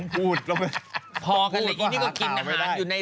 คือเวียกับเวรา